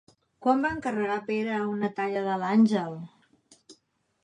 Quan va encarregar Pere una talla de l'àngel?